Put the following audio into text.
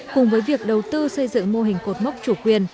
cùng với việc đầu tư xây dựng mô hình cột mốc chủ quyền